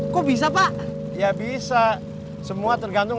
kok bisa pak ya bisa semua tergantung